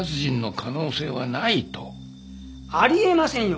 あり得ませんよ。